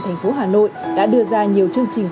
thành phố hà nội đã đưa ra nhiều chương trình